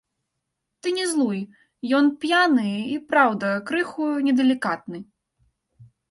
Ты не злуй, ён п'яны і, праўда, крыху недалікатны.